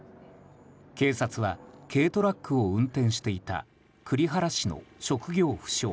警察は軽トラックを運転していた栗原市の職業不詳